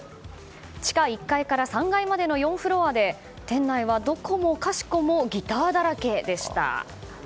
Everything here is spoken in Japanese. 地下１階から３階までの４フロアで店内はどこもかしこもギターだらけでした。